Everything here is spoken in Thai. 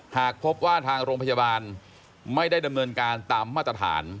หากพบว่าทางโรงพยาบาลไม่ได้ดำเนินการตามมาตรฐาน